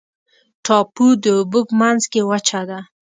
ټاپو د اوبو په منځ کې وچه ده.